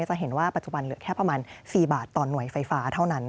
จะเห็นว่าปัจจุบันเหลือแค่ประมาณ๔บาทต่อหน่วยไฟฟ้าเท่านั้น